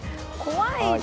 怖い！